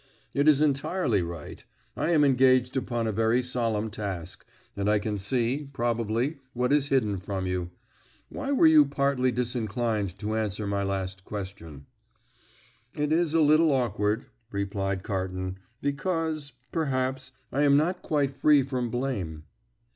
"It is entirely right. I am engaged upon a very solemn task, and I can see, probably, what is hidden from you. Why were you partly disinclined to answer my last question?" "It is a little awkward," replied Carton, "because, perhaps, I am not quite free from blame."